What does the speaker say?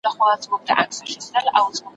چي د ریا پر منبرونو دي غوغا ووینم `